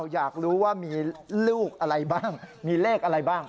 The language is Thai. อยากรู้ว่ามีลูกอะไรบ้างมีเลขอะไรบ้าง